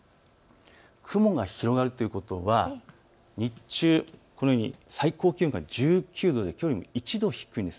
雲が広がるということは日中、このように最高気温が１９度できょうよりも１度低いです。